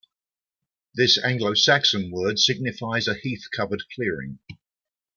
This Anglo-Saxon word signifies a heath-covered clearing.